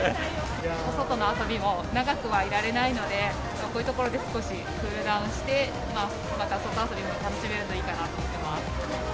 お外の遊びも長くはいられないので、こういう所で少しクールダウンして、また外遊びも楽しめるといいかなと思っています。